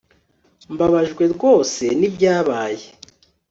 Mbabajwe rwose nibyabaye